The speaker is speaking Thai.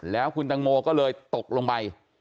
แล้วคุณตังโมก็เลยตกลงไป